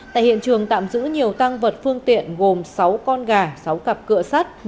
tại hiện trường tạm giữ nhiều tăng vật phương tiện gồm sáu con gà sáu cặp cựa sắt